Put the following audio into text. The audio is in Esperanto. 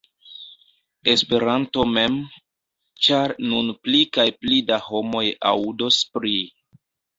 Esperanto mem, ĉar nun pli kaj pli da homoj aŭdos pri